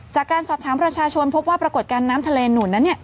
จากการสอบถามประชาชนพบว่าปรากฏการณ์น้ำทะเลหนุนนั้น